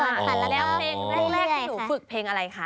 แล้วเพลงแรกที่หนูฝึกเพลงอะไรคะ